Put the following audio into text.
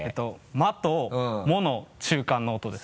「ま」と「も」の中間の音です。